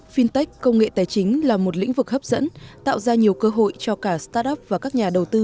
fintech công nghệ tài chính là một lĩnh vực hấp dẫn tạo ra nhiều cơ hội cho cả start up và các nhà đầu tư